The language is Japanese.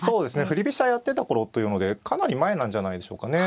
振り飛車やってた頃というのでかなり前なんじゃないでしょうかね。